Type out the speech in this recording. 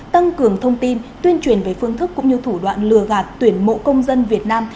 tăng cường thông tin tuyên truyền về phương thức cũng như thủ đoạn lừa gạt tuyển mộ công dân việt nam